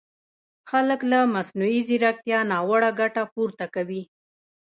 خلک له مصنوعي ځیرکیتا ناوړه ګټه پورته کوي!